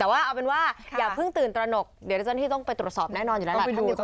แต่ว่าเอาเป็นว่าอย่าเพิ่งตื่นตระหนกเดี๋ยวเจ้าหน้าที่ต้องไปตรวจสอบแน่นอนอยู่แล้วล่ะ